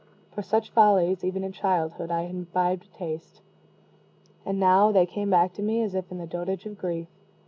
For such follies, even in childhood, I had imbibed a taste, and now they came back to me as if in the dotage of grief.